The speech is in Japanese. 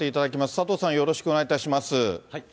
佐藤さん、よろしくお願いいたします。